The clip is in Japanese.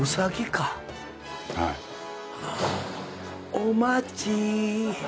お待ち。